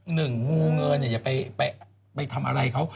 หนึ่งงูเงินอย่าไปทำอะไรเขา